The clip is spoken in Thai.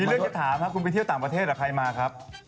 เรื่องจะถามครับคุณไปเที่ยวต่างประเทศกับใครมาครับ